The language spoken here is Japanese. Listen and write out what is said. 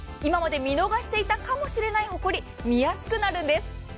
今まで見逃していたかもれしないホコリ、見やすくなるんです。